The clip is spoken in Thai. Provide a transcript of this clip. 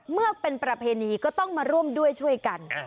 เมื่อเป็นประเพณีก็ต้องมาร่วมด้วยช่วยกัน